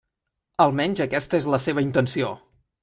Almenys aquesta és la seva intenció.